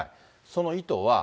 その意図は。